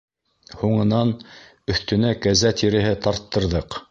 Һуңынан өҫтөнә кәзә тиреһе тарттырҙыҡ.